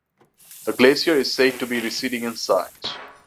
The glacier is said to be receding in size.